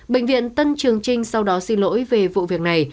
bệnh viện tân trường trinh sau đó xin lỗi về vụ việc này